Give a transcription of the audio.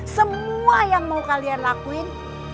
semua yang mau kalian lakuin